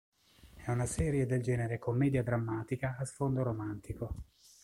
È una serie del genere commedia drammatica a sfondo romantico.